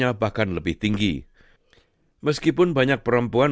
yang ikut mengajukan pengajuan